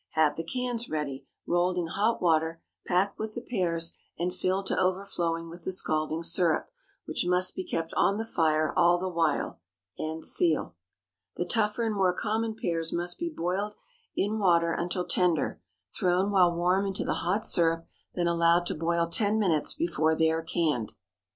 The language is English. Have the cans ready, rolled in hot water, pack with the pears and fill to overflowing with the scalding syrup, which must be kept on the fire all the while, and seal. The tougher and more common pears must be boiled in water until tender; thrown while warm into the hot syrup, then allowed to boil ten minutes before they are canned.